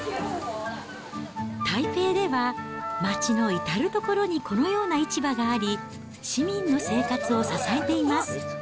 台北では、街の至る所にこのような市場があり、市民の生活を支えています。